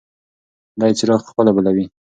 دی څراغ په خپله بلوي.